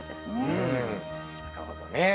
うんなるほどね。